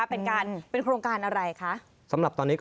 สนุนโดยอีซุสุข